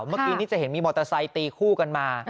เมื่อกี้นี่จะเห็นมีมอเตอร์ไซค์ตีคู่กันมา